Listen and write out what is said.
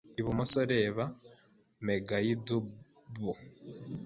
Ibumoso reba megaidubu